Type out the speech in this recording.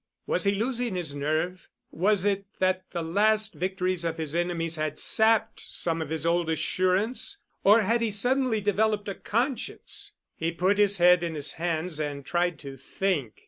Was he losing his nerve? Was it that the last victories of his enemies had sapped some of his old assurance, or had he suddenly developed a conscience? He put his head in his hands and tried to think.